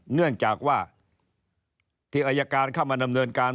เนื่องจากว่าที่อายการเข้ามาดำเนินการ